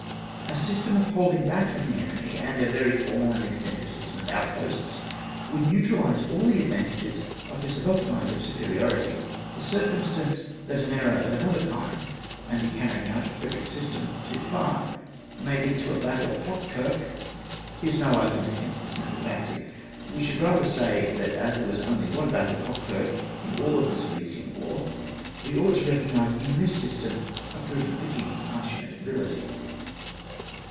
A system of holding back from the enemy, and a very formal, and extensive system of outposts would neutralise all the advantages of the above kind of superiority. The cir cumstance that an error of another kind, and the carrying out Frederick's system too far, may lead to a battle of Hochkirch, is no argument against this method of acting; we should rather say, that as there was only one battle of Hochkirch in all the Silesian war, we ought to recognise in this system a proof of the King's consummate ability.